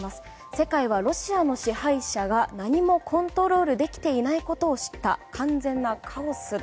世界はロシアの支配者が何もコントロールできていないことを知った完全なカオスだ。